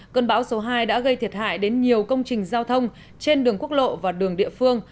cơn bão số hai đã gây thiệt hại đến nhiều công trình giao thông trên đường quốc lộ và đường địa phương